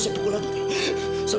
nusyuk bukulah nusyuk